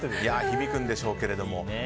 響くんでしょうけれども。